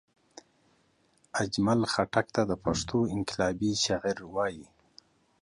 اجمل خټګ ته دا پښتو انقلابي شاعر وايي